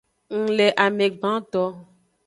Ng le ame gbanto.